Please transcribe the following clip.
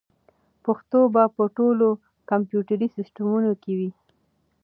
پښتو به په ټولو کمپیوټري سیسټمونو کې وي.